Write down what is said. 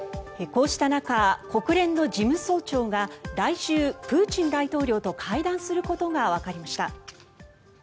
こうした中国連の事務総長が来週、プーチン大統領と会談することがわかりました。